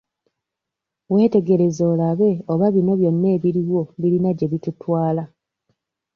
Weetegereze olabe oba bino byonna ebiriwo birina gye bitutwala.